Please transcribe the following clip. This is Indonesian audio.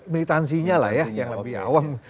militansinya lah ya yang lebih awam